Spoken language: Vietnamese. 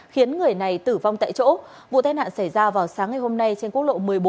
khiến người này tử vong tại chỗ vụ tai nạn xảy ra vào sáng ngày hôm nay trên quốc lộ một mươi bốn